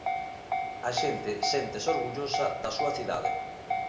A xente séntese orgullosa da súa cidade.